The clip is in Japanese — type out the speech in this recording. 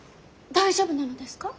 大丈夫なのですか。